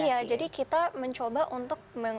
iya jadi kita mencoba untuk